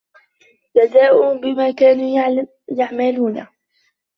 جَزاءً بِما كانوا يَعمَلونَ